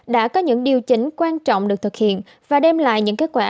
đã có những điều chỉnh quan trọng được thực hiện và đem lại những kết quả